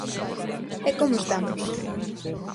E como estamos?